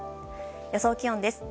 予想気温です。